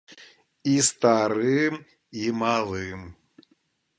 І старым, і малым.